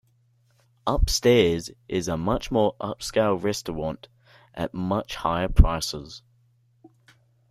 Upstairs is a much more upscale restaurant at much higher prices.